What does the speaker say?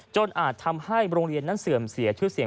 อาจทำให้โรงเรียนนั้นเสื่อมเสียชื่อเสียง